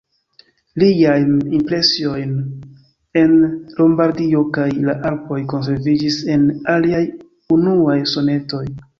Liajm impresojn en Lombardio kaj la Alpoj konserviĝis en liaj unuaj sonetoj.